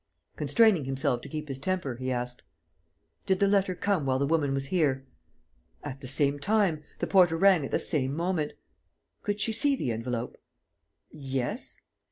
Constraining himself to keep his temper, he asked: "Did the letter come while the woman was here?" "At the same time. The porter rang at the same moment." "Could she see the envelope?" "Yes."